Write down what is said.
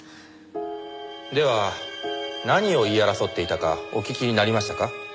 では何を言い争っていたかお聞きになりましたか？